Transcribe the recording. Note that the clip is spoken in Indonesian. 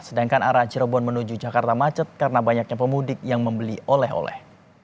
sedangkan arah cirebon menuju jakarta macet karena banyaknya pemudik yang membeli oleh oleh